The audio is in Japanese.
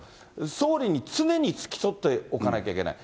総理に常に付き添っておかなきゃいけない。